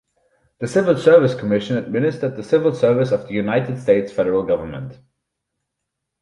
The Civil Service Commission administered the civil service of the United States federal government.